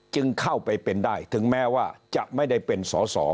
จึงเข้าไปเป็นได้ถึงแม้ว่าจะไม่ได้เป็นสอสอ